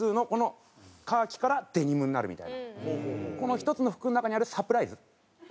この１つの服の中にあるサプライズ。